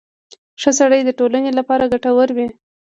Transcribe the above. • ښه سړی د ټولنې لپاره ګټور وي.